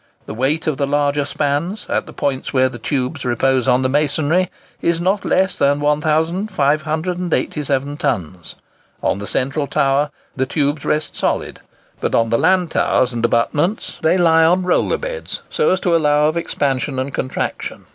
The weight of the larger spans, at the points where the tubes repose on the masonry, is not less than 1587 tons. On the centre tower the tubes rest solid; but on the land towers and abutments they lie on roller beds, so as to allow of expansion and contraction.